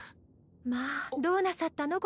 まあどうなさったの？